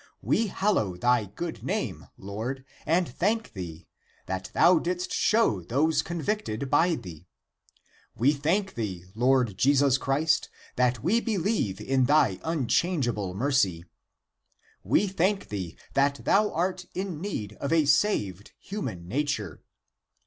We hallow thy good name. Lord <and thank thee>, that thou didst show those con victed by thee. We thank thee. Lord Jesus Christ, that we believe in thy unchangeable < mercy >. We thank thee that thou art in need of a saved hu man nature.